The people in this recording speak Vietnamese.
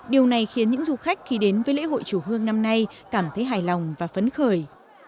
điều này khiến những du khách khi đến với lễ hội chùa hương năm nay cảm thấy hài lòng và phấn khởi